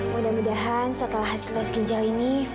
mudah mudahan setelah hasil tes ginjal ini